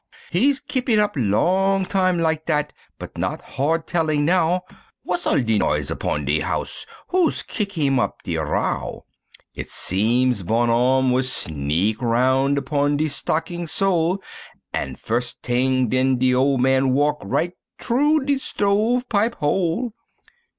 He's kip it up long tam lak dat, but not hard tellin' now, W'at's all de noise upon de house who's kick heem up de row? It seem Bonhomme was sneak aroun' upon de stockin' sole, An' firs' t'ing den de ole man walk right t'roo de stove pipe hole.